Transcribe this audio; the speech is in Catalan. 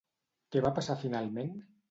Què va passar finalment?